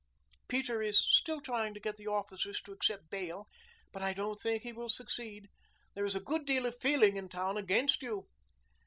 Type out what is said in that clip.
"Peter is still trying to get the officers to accept bail, but I don't think he will succeed. There is a good deal of feeling in town against you."